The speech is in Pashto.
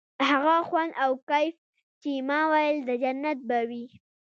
هغه خوند او کيف چې ما ويل د جنت به وي.